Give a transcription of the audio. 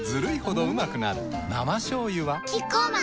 生しょうゆはキッコーマン